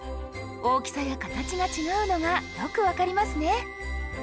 大きさや形が違うのがよく分かりますね。